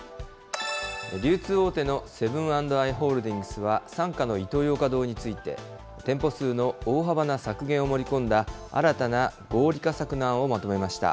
流通大手のセブン＆アイ・ホールディングスは、傘下のイトーヨーカ堂について、店舗数の大幅な削減を盛り込んだ、新たな合理化策の案をまとめました。